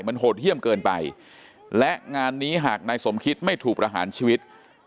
มันโหดเยี่ยมเกินไปและงานนี้หากนายสมคิดไม่ถูกประหารชีวิต